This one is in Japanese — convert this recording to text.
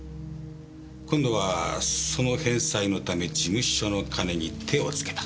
今度はその返済のため事務所の金に手をつけた。